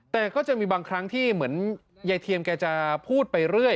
แต่ก็จะมีบางครั้งที่เหมือนยายเทียมแกจะพูดไปเรื่อย